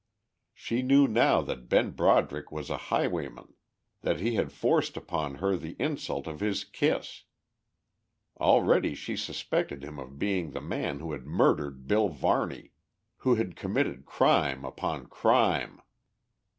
She knew now that Ben Broderick was a highwayman, that he had forced upon her the insult of his kiss; already she suspected him of being the man who had murdered Bill Varney, who had committed crime upon crime.